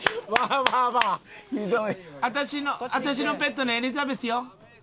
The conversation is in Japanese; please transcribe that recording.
「私のペットのエリザベスよ。